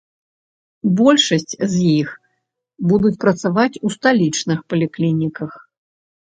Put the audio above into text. Большасць з іх будуць працаваць у сталічных паліклініках.